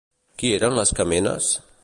Qui eren les Camenes?